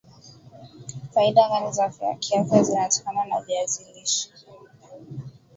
faida gani za kiafya zinatokana na viazi lishe